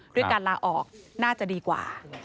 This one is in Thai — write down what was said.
ด้วยการลาออกน่าจะดีกว่า